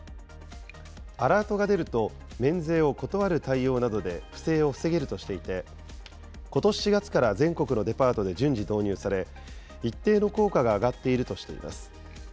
アラートが出ると、免税を断る対応などで不正を防げるとしていて、ことし４月から全国のデパートで順次導入され、一定の効果が上がっているとしています。